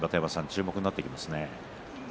注目になってきますね。